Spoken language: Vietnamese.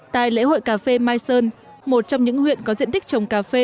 tại lễ hội cà phê mai sơn một trong những huyện có diện tích trồng cà phê